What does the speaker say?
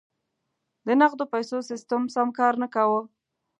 د نغدو پیسو سیستم سم کار نه کاوه.